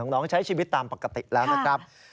น้องใช้ชีวิตตามปกติแล้วนะครับ